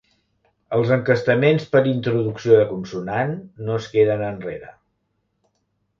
Els encastaments per introducció de consonant no es queden enrere.